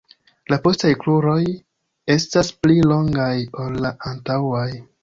La postaj kruroj estas pli longaj ol la antaŭaj.